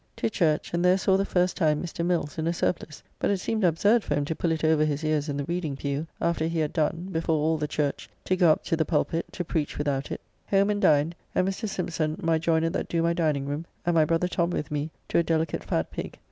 To church, and there saw the first time Mr. Mills in a surplice; but it seemed absurd for him to pull it over his ears in the reading pew, after he had done, before all the church, to go up to the pulpitt, to preach without it. Home and dined, and Mr. Sympson, my joyner that do my diningroom, and my brother Tom with me to a delicate fat pig.